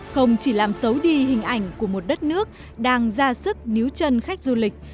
không chỉ làm xấu đi hình ảnh của một đất nước đang ra sức níu chân khách du lịch